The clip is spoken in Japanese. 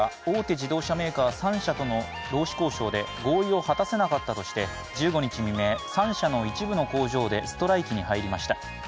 自動車メーカー３社との労使交渉で合意を果たせなかったとして１５日未明、３社の一部の工場でストライキに入りました。